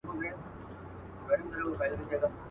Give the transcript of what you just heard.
اوس به چيري د زلميو څڼي غورځي.